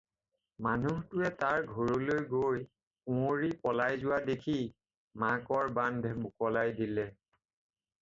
মানুহটোৱে তাৰ ঘৰলৈ গৈ কুঁৱৰী পলাই যোৱা দেখি মাকৰ বান্ধ মোকোলাই দিলে।